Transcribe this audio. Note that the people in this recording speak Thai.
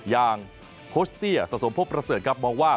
อย่างโคชเตี้ยสะสมพบประเสริฐครับมองว่า